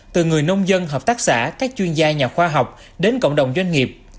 từ người nông dân hợp tác xã các chuyên gia nhà khoa học đến cộng đồng doanh nghiệp